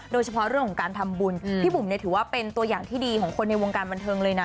โดยเฉพาะเรื่องของการทำบุญพี่บุ๋มเนี่ยถือว่าเป็นตัวอย่างที่ดีของคนในวงการบันเทิงเลยนะ